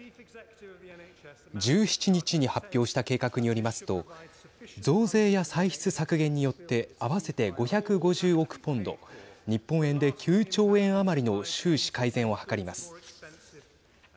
１７日に発表した計画によりますと増税や歳出削減によって合わせて５５０億ポンド日本円で９兆円余りの収支改善を図ります。